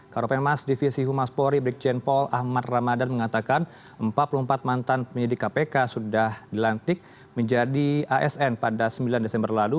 karopenmas divisi humas polri brikjen paul ahmad ramadan mengatakan empat puluh empat mantan penyidik kpk sudah dilantik menjadi asn pada sembilan desember lalu